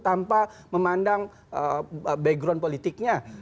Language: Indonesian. tanpa memandang background politiknya